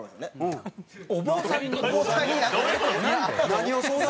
何を相談？